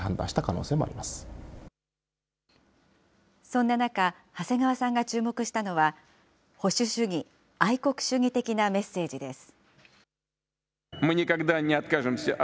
そんな中、長谷川さんが注目したのは、保守主義・愛国主義的なメッセージです。